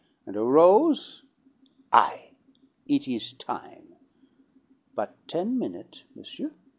And a rose! I! It is time. But ten minute', monsieur.